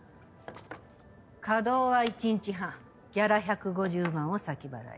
稼働は１日半ギャラ１５０万を先払いで。